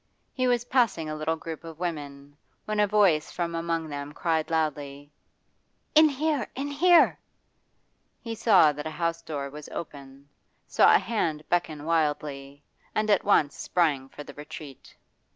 He was passing a little group of women, when a voice from among them cried loudly 'In here! In here!' He saw that a house door was open, saw a hand beckon wildly, and at once sprang for the retreat.